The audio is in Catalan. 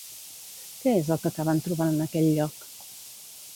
Què és el que acaben trobant en aquell lloc?